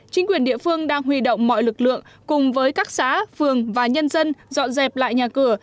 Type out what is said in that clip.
chính quyền địa phương đang huy động mọi lực lượng cùng với các xã phường và nhân dân dọn dẹp lại nhà cửa